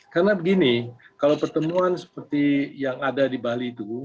karena begini kalau pertemuan seperti yang ada di bali itu